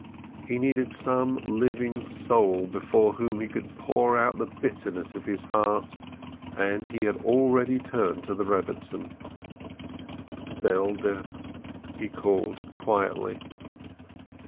He needed some living soul before whom he could pour out the bitterness of his heart, and he had already turned to the Eebbetzin: "Zelde !" he called quietly.